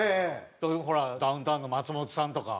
ほらダウンタウンの松本さんとか。